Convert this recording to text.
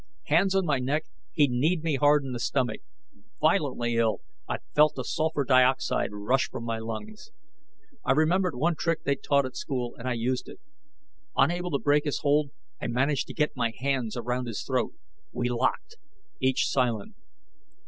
Hands on my neck, he kneed me hard in the stomach. Violently ill, I felt the sulfur dioxide rush from my lungs. I remembered one trick they'd taught at school, and I used it. Unable to break his hold, I managed to get my hands around his throat. We locked, each silent.